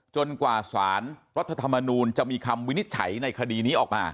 กว่าสารรัฐธรรมนูลจะมีคำวินิจฉัยในคดีนี้ออกมา